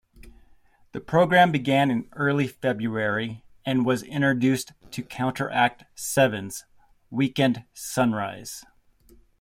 The program began in early February, and was introduced to counteract Seven's "Weekend Sunrise".